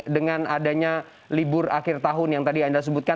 dengan adanya libur akhir tahun yang tadi anda sebutkan